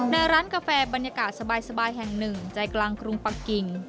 ในร้านกาแฟบรรยากาศสบายแห่งหนึ่งใจกลางกรุงปะกิ่ง